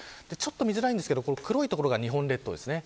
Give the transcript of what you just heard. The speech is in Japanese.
見づらいですが黒い所が日本列島です。